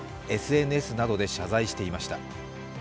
ＳＮＳなどで謝罪していました。